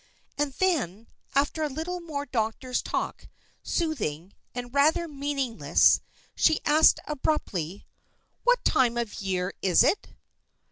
And then, after a little more doctor's talk, soothing, and rather meaningless, she asked abruptly: "What time of year is it?"